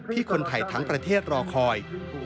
คนไทยทั้งประเทศรอคอย